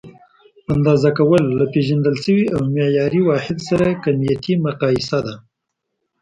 اندازه کول: له پېژندل شوي او معیاري واحد سره کمیتي مقایسه ده.